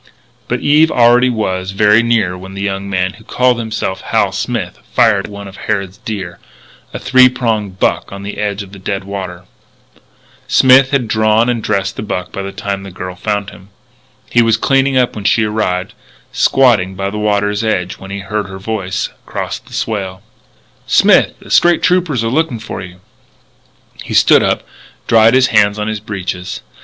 But Eve already was very near when the young man who called himself Hal Smith fired at one of Harrod's deer a three prong buck on the edge of the dead water. Smith had drawn and dressed the buck by the time the girl found him. He was cleaning up when she arrived, squatting by the water's edge when he heard her voice across the swale: "Smith! The State Troopers are looking for you!" He stood up, dried his hands on his breeches.